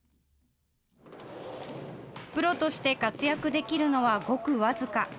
プロとして活躍できるのはごく僅か。